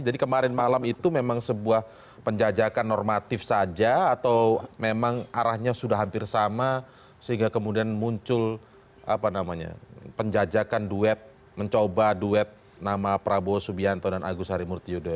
jadi kemarin malam itu memang sebuah penjajakan normatif saja atau memang arahnya sudah hampir sama sehingga kemudian muncul penjajakan duet mencoba duet nama prabowo sbianto dan agus harimurti yudho